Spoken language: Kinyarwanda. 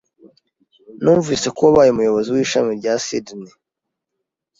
Numvise ko wabaye umuyobozi w'ishami rya Sydney.